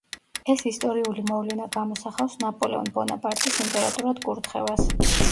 ეს ისტორიული მოვლენა გამოსახავს ნაპოლეონ ბონაპარტის იმპერატორად კურთხევას.